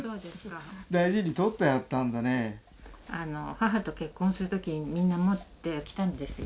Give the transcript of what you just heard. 母と結婚する時にみんな持ってきたんですよ。